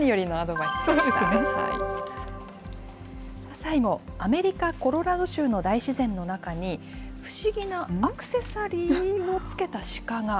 最後、アメリカ・コロラド州の大自然の中に、不思議なアクセサリーをつけた鹿が。